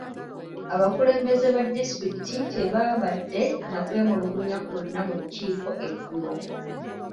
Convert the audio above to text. Abakulembeze ba diisitulikiti tebaabadde na kwemulugunya kwonna mu lukiiko eggulo .